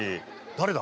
誰だ？